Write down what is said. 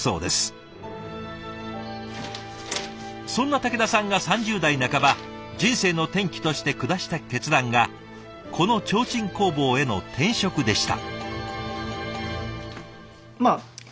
そんな武田さんが３０代半ば人生の転機として下した決断がこの提灯工房への転職でした。